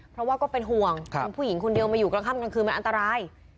เพราะว่าก็เป็นห่วงเป็นผู้หญิงคนเดียวมาอยู่กลางค่ำกลางคืนมันอันตราย